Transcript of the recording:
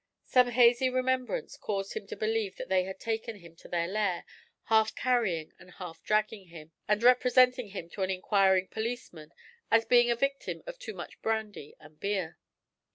Some hazy remembrance caused him to believe that they had taken him to their lair, half carrying and half dragging him, and representing him to an inquiring policeman as being a victim of too much brandy and beer.